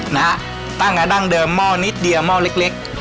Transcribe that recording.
นะฮะตั้งแต่ดั้งเดิมหม้อนิดเดียวหม้อเล็กเล็ก